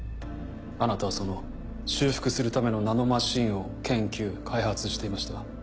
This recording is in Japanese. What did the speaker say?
あなたはその修復するためのナノマシンを研究開発していました。